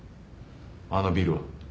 あのビルは？